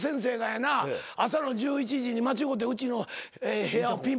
朝の１１時に間違うてうちの部屋をピンポンしたんや。